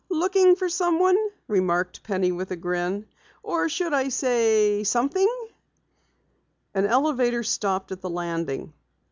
"Looking for someone?" remarked Penny with a grin. "Or should I say something?" An elevator stopped at the landing.